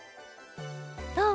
どう？